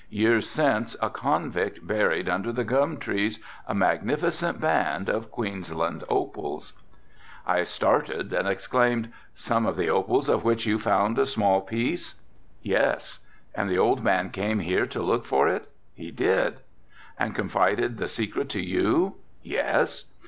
Years since a convict buried under the gum trees a magnificent band of Queensland opals." I started and exclaimed, "some of the opal of which you found a small piece." "Yes." "And the old man came here to look for it." "He did." "And confided the secret to you?" "Yes."